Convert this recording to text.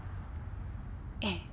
ええ。